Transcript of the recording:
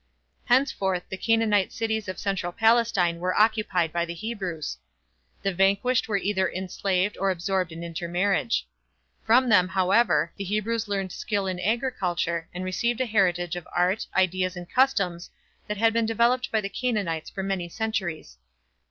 Henceforth the Canaanite cities of central Palestine were occupied by the Hebrews. The vanquished were either enslaved or absorbed in intermarriage. From them, however, the Hebrews learned skill in agriculture and received a heritage of art, ideas and customs that had been developed by the Canaanites for many centuries.